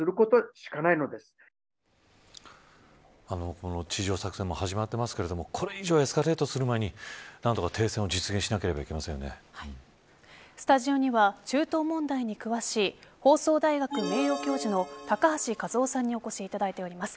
この地上作戦も始まってますけれどもこれ以上エスカレートする前に何とか停戦をスタジオには中東問題に詳しい放送大学名誉教授の高橋和夫さんにお越しいただいております。